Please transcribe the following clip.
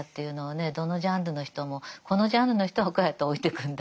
どのジャンルの人もこのジャンルの人はこうやって老いてくんだ。